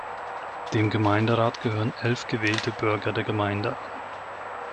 Dem Gemeinderat gehören elf gewählte Bürger der Gemeinde an.